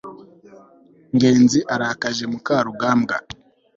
ngenzi arakaje mukarugambwa (amastan